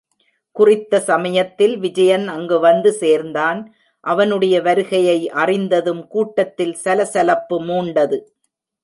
குறித்த சமயத்தில் விஜயன் அங்கு வந்து சேர்ந்தான் அவனுடைய வருகையை அறிந்ததும் கூட்டத்தில் சலசலப்பு மூண்டது.